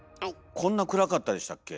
こんな暗かったでしたっけ？